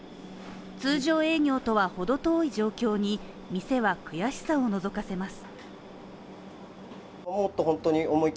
通常営業とは程遠い状況に店は悔しさをのぞかせます。